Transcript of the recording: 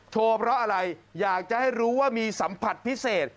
เพราะอะไรอยากจะให้รู้ว่ามีสัมผัสพิเศษ